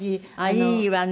いいわね！